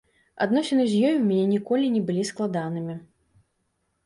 Адносіны з ёй у мяне ніколі не былі складанымі.